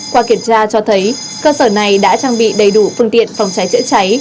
qua kiểm tra cho thấy cơ sở này đã trang bị đầy đủ phương tiện phòng cháy chữa cháy